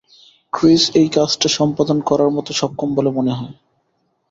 Chris এই কাজটা সম্পাদন করার মতো সক্ষম বলে মনে হয়?